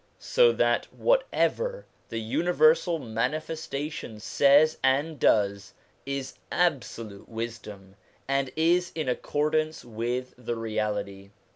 So that whatever the universal Manifestation says and does is absolute wisdom, and is in accordance with the reality.